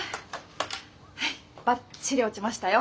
はいバッチリ落ちましたよ